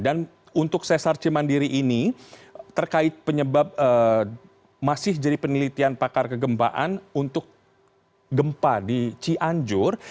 dan untuk sesar cimandiri ini terkait penyebab masih jadi penelitian pakar kegembaan untuk gempa di cianjur